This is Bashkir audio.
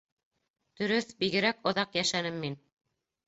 Дөрөҫ, бигерәк оҙаҡ йәшәнем мин.